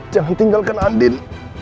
jangan tinggalkan andin